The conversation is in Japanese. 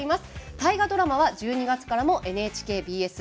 大河ドラマは、１２月からもＮＨＫＢＳ